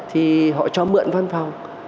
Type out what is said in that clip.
họ cho mượn văn phòng